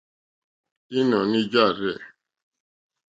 Ínɔ̀ní jâ rzɛ̂.